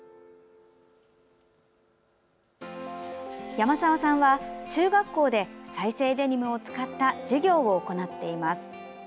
山澤さんは中学校で再生デニムを使った授業を行っています。